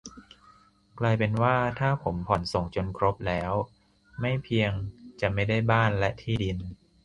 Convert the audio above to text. กลายเป็นว่าถ้าผมผ่อนส่งจนครบแล้วไม่เพียงจะไม่ได้บ้านและที่ดิน